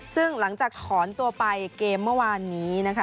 ซึ่งหลังจากถอนตัวไปเกมเมื่อวานนี้นะคะ